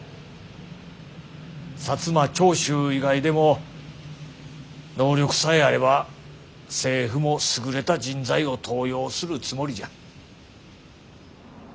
薩摩長州以外でも能力さえあれば政府も優れた人材を登用するつもりじゃ。